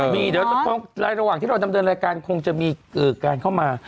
มีเดี๋ยวระหว่างที่เราดำเนินรายการคงจะมีการเข้ามา